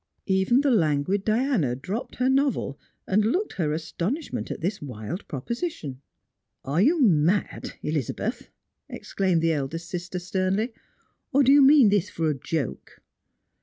Even the languid Diana dropped her novel, and looked her astonishment at this wild proposition. "Are you mad, Elizabeth? " exclaimed the eldest sister sternly ;" or do you mean this for a joke